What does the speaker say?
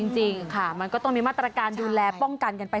จริงค่ะมันก็ต้องมีมาตรการดูแลป้องกันกันไป